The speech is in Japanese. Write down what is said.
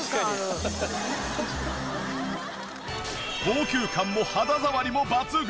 高級感も肌触りも抜群！